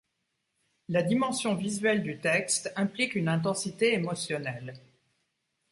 La dimension visuelle du texte implique une intensité émotionnelle.